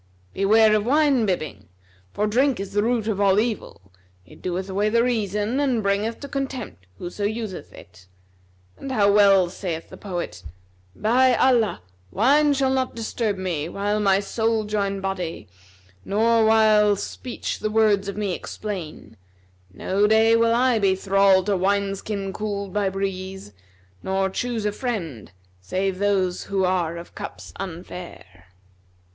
Beware of wine bibbing, for drink is the root of all evil: it doeth away the reason and bringeth to contempt whoso useth it; and how well saith the poet, 'By Allah, wine shall not disturb me, while my soul * Join body, nor while speech the words of me explain: No day will I be thralled to wine skin cooled by breeze[FN#261] * Nor choose a friend save those who are of cups unfair.'